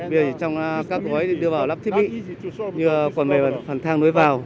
bây giờ trong các quấy đưa vào lắp thiết bị như quần mềm và phần thang lối vào